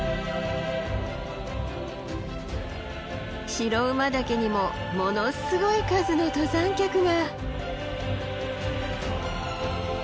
白馬岳にもものすごい数の登山客が。